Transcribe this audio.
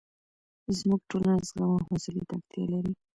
زموږ ټولنه زغم او حوصلې ته اړتیا لري.